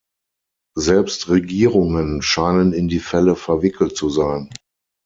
Selbst Regierungen scheinen in die Fälle verwickelt zu sein.